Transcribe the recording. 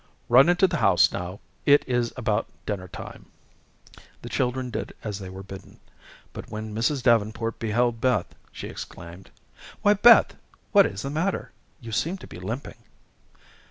Run into the house now; it is about dinner time." The children did as they were bidden; but when Mrs. Davenport beheld Beth, she exclaimed: "Why, Beth, what is the matter? You seem to be limping."